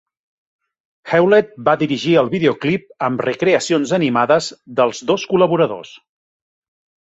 Hewlett va dirigir el videoclip amb recreacions animades dels dos col·laboradors.